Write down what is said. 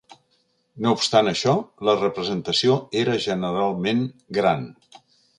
No obstant això, la representació era generalment gran.